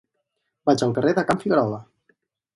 Vaig al carrer de Can Figuerola.